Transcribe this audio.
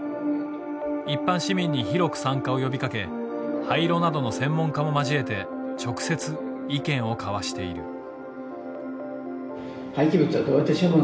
一般市民に広く参加を呼びかけ廃炉などの専門家も交えて直接意見を交わしている。